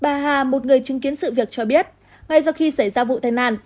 bà hà một người chứng kiến sự việc cho biết ngay sau khi xảy ra vụ tai nạn